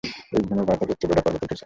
এই হিমবাহ থেকে উচ্চ ডোডা পর্বত উঠেছে।